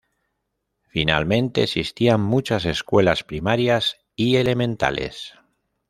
Finalmente, existían muchas escuelas primarias y elementales.